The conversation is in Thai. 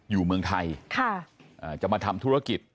อยู่เมืองไทยจะมาทำธุรกิจ